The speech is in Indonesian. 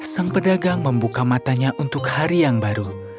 sang pedagang membuka matanya untuk hari yang baru